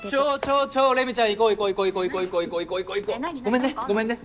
ごめんねごめんね。